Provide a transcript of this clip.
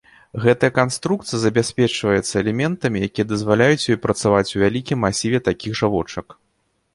Гэтая канструкцыя забяспечваецца элементамі, якія дазваляюць ёй працаваць у вялікім масіве такіх жа вочак.